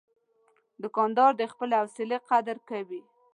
دوکاندار د خپلې حوصلې قدر کوي.